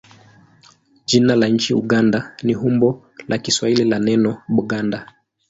Jina la nchi Uganda ni umbo la Kiswahili la neno Buganda.